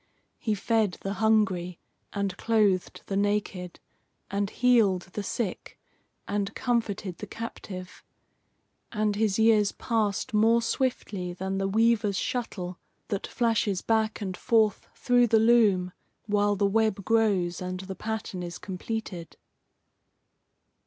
He fed the hungry, and clothed the naked, and healed the sick, and comforted the captive; and his years passed more swiftly than the weaver's shuttle that flashes back and forth through the loom while the web grows and the pattern is completed.